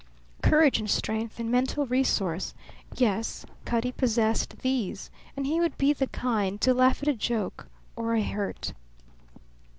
Courage and strength and mental resource; yes, Cutty possessed these; and he would be the kind to laugh at a joke or a hurt.